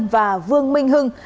và vương minh hưng